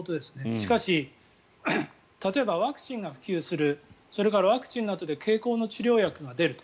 しかし例えば、ワクチンが普及するそれからワクチンのあとで経口の治療薬が出ると。